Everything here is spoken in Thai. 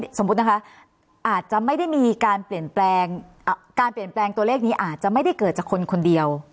สมมุตินะคะอาจจะไม่ได้มีการเปลี่ยนแปลงการเปลี่ยนแปลงตัวเลขนี้อาจจะไม่ได้เกิดจากคนคนเดียว